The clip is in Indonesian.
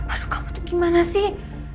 aduh kamu tuh gimana sih